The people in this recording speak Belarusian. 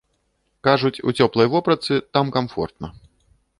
Кажуць, у цёплай вопратцы там камфортна.